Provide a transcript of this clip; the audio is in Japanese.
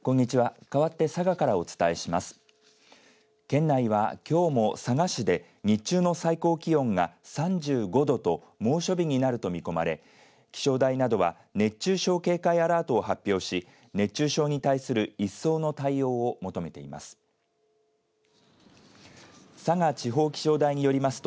県内は、きょうも佐賀市で日中の最高気温が３５度と猛暑日になると見込まれ気象台などは熱中症警戒アラートを発表し熱中症に対する一層の対応を求めています。